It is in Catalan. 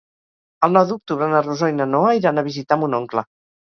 El nou d'octubre na Rosó i na Noa iran a visitar mon oncle.